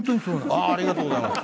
ありがとうございます。